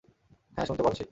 হ্যাঁ, শুনতে পারছি।